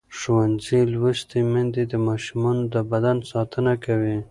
ښوونځې لوستې میندې د ماشومانو د بدن ساتنه کوي.